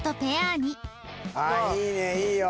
ああいいねいいよ。